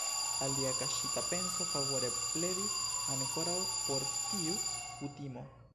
Alia kaŝita penso favore pledis ankoraŭ por tiu kutimo.